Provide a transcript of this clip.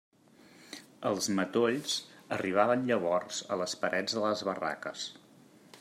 Els matolls arribaven llavors a les parets de les barraques.